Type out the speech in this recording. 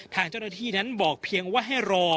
ทางเจ้าหน้าที่นั้นบอกเพียงว่าให้รอ